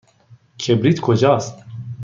کبریت کجاست؟